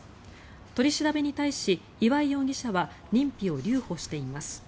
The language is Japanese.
取り調べに対し、岩井容疑者は認否を留保しています。